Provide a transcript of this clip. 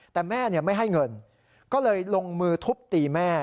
แต่แม่ไม่ให้เงินก็เลยลงมือทุบตีแม่